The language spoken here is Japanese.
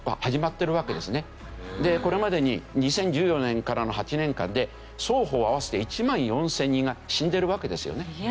でこれまでに２０１４年からの８年間で双方合わせて１万４０００人が死んでいるわけですよね。